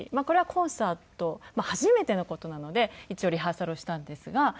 これはコンサート初めての事なので一応リハーサルをしたんですが。